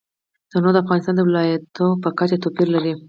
تنوع د افغانستان د ولایاتو په کچه توپیر لري.